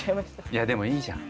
いやでもいいじゃん。